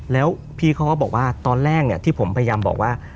แล้วพี่เขาก็บอกว่าตอนแรกที่ผมพยายามบอกว่า